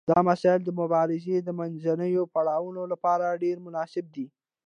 دا مسایل د مبارزې د منځنیو پړاوونو لپاره ډیر مناسب دي.